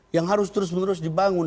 yang harus terus menerus dibangun